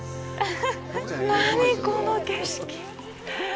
何、この景色。